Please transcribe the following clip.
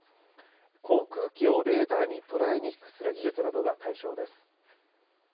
航空機をレーダーに捉えにくくする技術などが対象です。